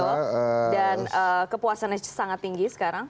dan kepuasannya sangat tinggi sekarang